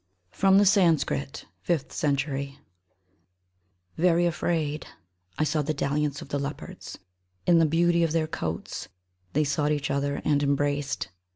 THE DALLIANCE OF THE LEOPARDS. VERY afraid I saw the dalliance of the leopards. In the beauty of their coats They sought each other and embraced.